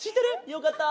よかった。